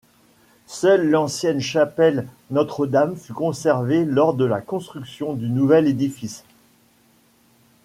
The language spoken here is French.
Seule l'ancienne chapelle Notre-Dame fut conservée lors de la construction du nouvel édifice.